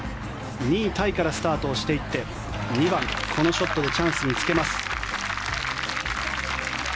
２位タイからスタートしていって２番、このショットでチャンスにつけます。